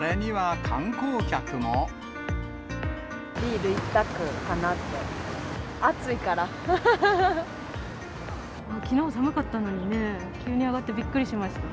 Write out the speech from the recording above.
ビール一択かなって、暑いかきのう寒かったのにね、急に上がってびっくりしました。